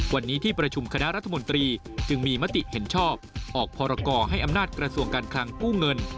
วันนี้ที่ประชุมคณะรัฐมนตรีจึงมีมติเห็นชอบออกพรกรให้อำนาจกระทรวงการคลังกู้เงิน